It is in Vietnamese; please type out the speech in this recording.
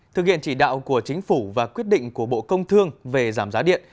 thực hiện chỉ đạo của chính phủ và quyết định của bộ công thương về giảm giá điện